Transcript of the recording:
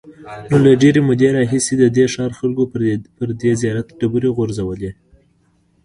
نو له ډېرې مودې راهیسې د دې ښار خلکو پر دې زیارت ډبرې غورځولې.